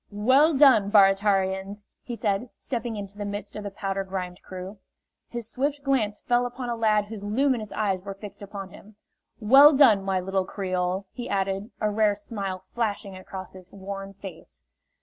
"Well done, Baratarians!" he said, stepping into the midst of the powder grimed crew. His swift glance fell upon a lad whose luminous eyes were fixed upon him. "Well done, my little creole!" he added, a rare smile flashing across his worn face.